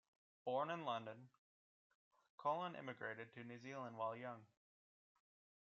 Born in London, Cullen emigrated to New Zealand while young.